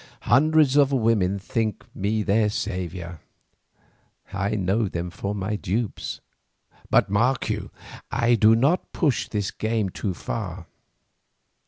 Hundreds of women think me their saviour, I know them for my dupes. But mark you, I do not push this game too far.